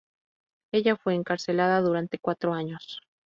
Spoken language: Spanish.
Ella fue encarcelada durante cuatro años.